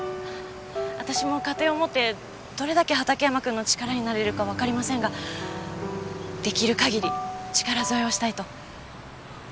私も家庭を持ってどれだけ畑山君の力になれるかわかりませんができる限り力添えをしたいと。